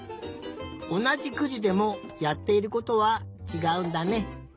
おなじ９じでもやっていることはちがうんだね。